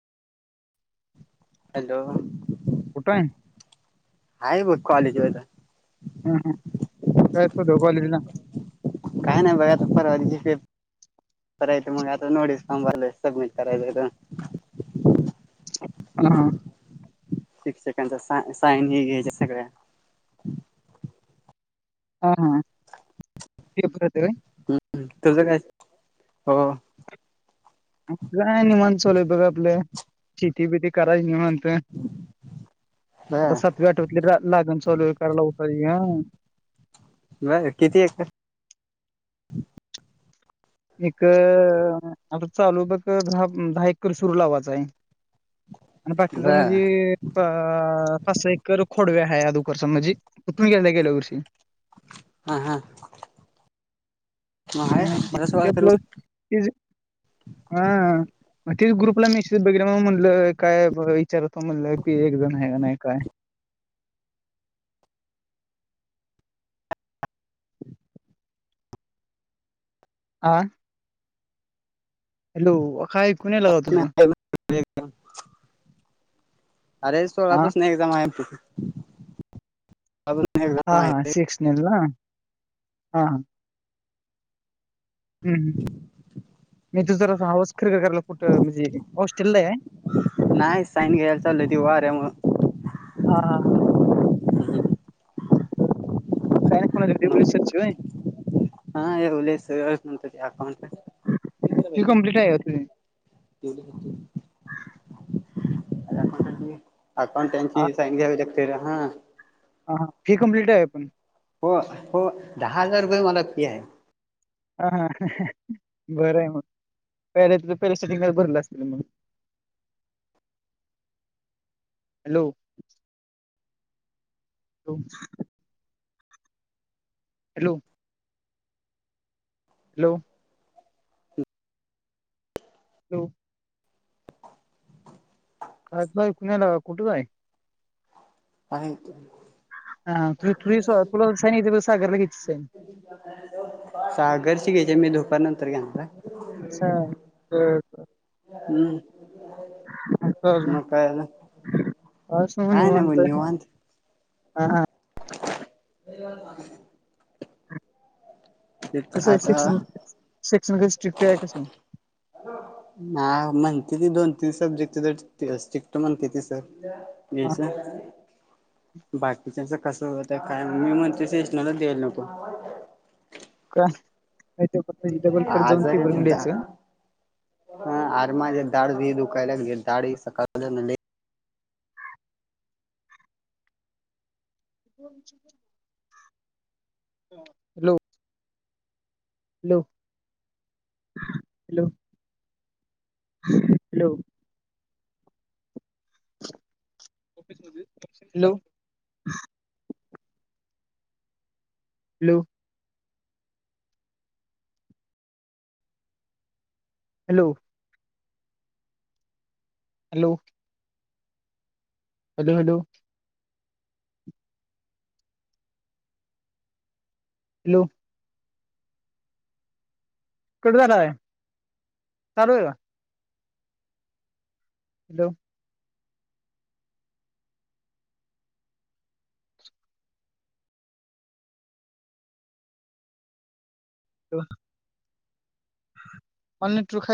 Hello. कुठाय? Hi बघ कॉलेजवर आता. हम्म काय होत कॉलेजला? काय नाही बघा, तर परवा पेप करायचं. मग आता नोटीस फॉर्म भरायचा सबमिट करायचा आहे ते भरायचा सबमिट करायचा हे तो. हा. एक सेकंडचा साईन साईन हे घ्यायच्या सगळ्या. हा हा, ते कळतं काय? हम्म, तुझं काय? हो. काय निवांत चालू आहे बघ आपलं. शेती बीती करायचं निवांत. तेन. आता बर सातव्या आठव्यातली लागण चालू हाय, करायला उठायची हा. व्हय, किती एकर? एक आता चालू फक्त दहा दहा एकर सुरू लावायचाय. आणि बाकीच बर म्हणजे अ पाचसा एकर खोडव्या हाय अदुकरचा म्हणजे उठून गेल्या गेल्या वर्षी. हा हा. मग आहे हा. मला सोळा ते एकर आपलं तेजं हा. मग तेच ग्रुपला मेसेज बघितल्यावर म म्हटलं काय बई विचारलं तर म्हणलं की, एक जण हाय नाही काय. आं. हॅलो, अ काय कुणीला लावत हुतं? अरे हा सोळापसणं एक्झाम हाय आपली. [inaudible] हा हा सिक्स नेल ना? हा हा. हम्म याचं जरासं हावास केरकरला कुठं म्हणजे हॉस्टेलला आहे. न्हाय साईन घ्यायला चाललूय, ते वाऱ्यामुळं हा हा. साईन पाहिजे मग ती [inaudible] ची होय? हा येवले सरच म्हणतात अकाउंटला. ती कंप्लीट आहे का तुझी? [inaudible] अकाउंट [unintelligible] हा ची साईन घ्यावी लागतेरे हा. हा हा हे कम्प्लीट आहे पण. हो हो, दहा हजार रुपये मला फी हाय. हा हा बरं हाय मग. पहिला तेच पहिला सेटिंग करायची भरलं असतं ना मग. हॅलो. हो. हॅलो. हॅलो. हॅलो. काय [unintelligible] कुठं आहे? आहे. हा तु तु तुला [unintelligible] सागरने घे की सेम. सागरची घ्यायची मी दुपार नंतर घेणार हाय. असं हाय बरं बरं. हं. [unintelligible] आज सगळं काय नाही मग निवांत हाय. निवांत हा हा. [inaudible] कसं आहे, आता सेक्शन सेक्शन कसं स्ट्रिक्ट आहे तसं. हा म्हणत्याती दोन तीन सब्जेक्ट तर स्ट्रिकट म्हणते म्हणत्याती सर. हा हा येचा बाकीच्याच कसं होत काय मी म्हणतोय पण [unintelligible] द्यायला नको. का [unintelligible] परत जाऊन आजारी पेपर द्यायचं. हा आरे माझी दाढ ही दुखायला लागल्या दाढ एक सकाळपासुन लई [inaudible] hello. Hello, hello, hello. Hello. लो. Hello. Hello. Hello, hello. Hello. Cut झालाय, चालू हाय का? हॅलो. लो [unintelligible]